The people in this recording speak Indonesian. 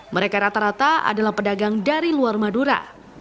mereka rata rata adalah pedagang dari luar madura